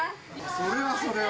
それはそれは。